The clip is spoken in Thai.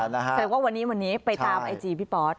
แสดงว่าวันนี้ไปตามไอจีพี่ปอส